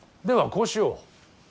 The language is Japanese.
ではこうしよう。